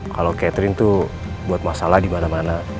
kalau catherine tuh buat masalah dimana mana